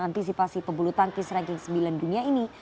antisipasi pebulu tangkis ranking sembilan dunia ini